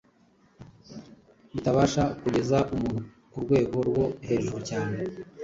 bitabasha kugeza umuntu ku rwego rwo hejuru cyane.